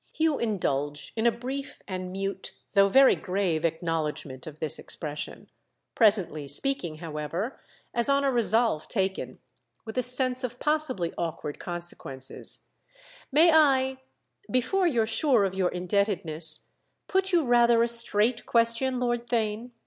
Hugh indulged in a brief and mute, though very grave, acknowledgment of this expression; presently speaking, however, as on a resolve taken with a sense of possibly awkward consequences: "May I—before you're sure of your indebtedness—put you rather a straight question, Lord Theign?"